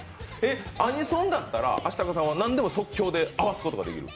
アニソンだったら、何でも即興で合わすことができる？